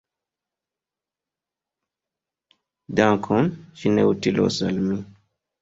Dankon; ĝi ne utilos al mi.